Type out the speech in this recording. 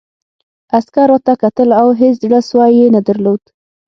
عسکر راته کتل او هېڅ زړه سوی یې نه درلود